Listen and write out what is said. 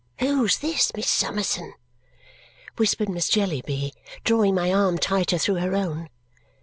"Who's this, Miss Summerson?" whispered Miss Jellyby, drawing my arm tighter through her own.